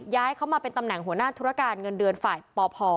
ย้ายเขามาเป็นตำแหน่งหัวหน้าธุรการเงินเดือนฝ่ายปพ